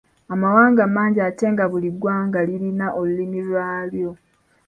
Amawanga mangi ate nga buli ggwanga lirina olulimi lwalyo